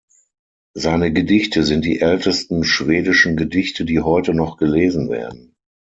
Seine Gedichte sind die ältesten schwedischen Gedichte, die heute noch gelesen werden.